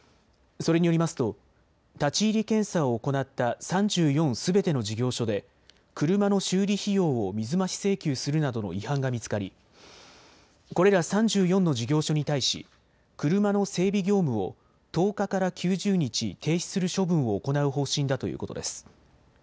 それによりますと立ち入り検査を行った３４すべての事業所で車の修理費用を水増し請求するなどの違反が見つかりこれら３４の事業所に対し車の整備業務を１０日から９０日停止する処分を行う方針だということです。